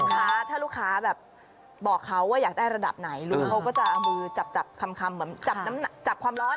ถ้าลูกค้าบอกเขาว่าอยากได้ระดับไหนลูกเขาก็จะเอามือจับคำแบบจับความร้อน